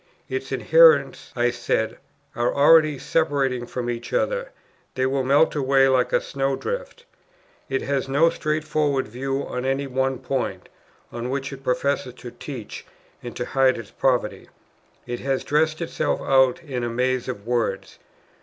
"Its adherents," I said, "are already separating from each other; they will melt away like a snow drift. It has no straightforward view on any one point, on which it professes to teach, and to hide its poverty, it has dressed itself out in a maze of words.